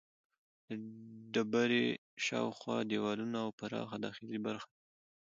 د ډبرې شاوخوا دیوالونه او پراخه داخلي برخه ده.